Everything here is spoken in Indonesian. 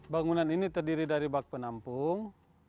bangunan ini terdiri dari bak penampung